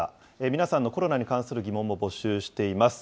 皆さんのコロナに関する疑問も募集しています。